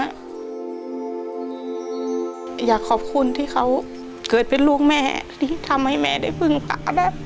อยากขอบคุณที่เขาเกิดเป็นลูกแม่ที่ทำให้แม่ได้พึ่งป่าได้